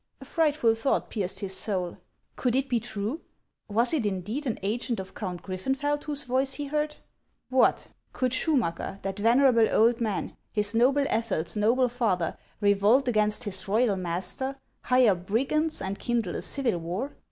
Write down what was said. A frightful thought pierced his soul Could it be true ? Was it indeed an agent of Count Griffenfeld whose voice he heard ? What ! could Schumacker, that venerable old man, his noble Ethel's noble father, revolt against his royal master, hire brigands, and kindle a civil war